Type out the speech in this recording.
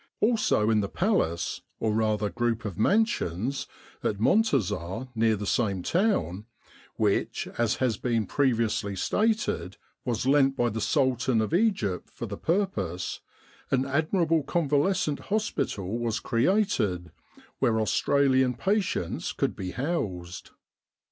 Also in the Palace, or rather group of mansions, at Montazah near the same town, which, as has been previously stated, was lent by the Sultan of Egypt for the purpose, an admirable convalescent hospital was created, where Australian patients could be housed.